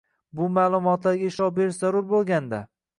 bu ma’lumotlarga ishlov berish zarur bo‘lganda